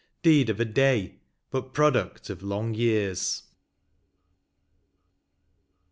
Deed of^a day, but product of long years.